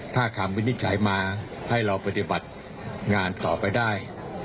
ถ้าคำวินิจฉัยมาให้เราปฏิบัติงานต่อไปได้